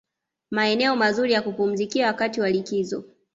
Maeneo mazuri ya kupumzikia wakati wa likizo